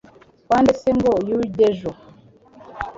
kwa nde se ngo yujyejo